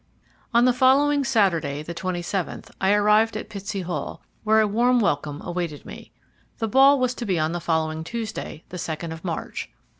On the following Saturday, the 27th, I arrived at Pitsey Hall, where a warm welcome awaited me. The ball was to be on the following Tuesday, the 2nd of March.